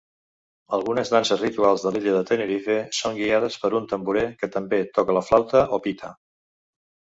Algunes danses rituals de l'illa de Tenerife són guiades per un tamborer que també toca la flauta o "pita".